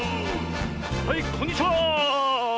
はいこんにちは！